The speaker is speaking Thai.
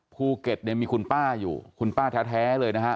ภูเก็ตเนี่ยมีคุณป้าอยู่คุณป้าแท้เลยนะฮะ